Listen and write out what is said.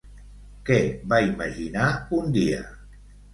Què va imaginar un dia?